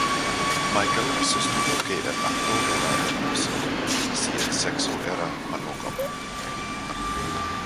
Michael sostuvo que el acto era hermoso si el sexo era monógamo.